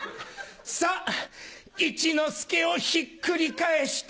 さぁ一之輔をひっくり返してと。